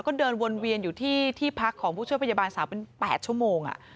ก็เดินวนเวียนอยู่ที่ที่พักของผู้ช่วยพยาบาลสาวเป็น๘ชั่วโมง